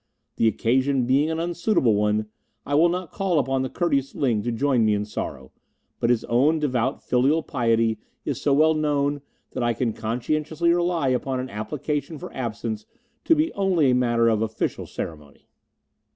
The occasion being an unsuitable one, I will not call upon the courteous Ling to join me in sorrow; but his own devout filial piety is so well known that I can conscientiously rely upon an application for absence to be only a matter of official ceremony."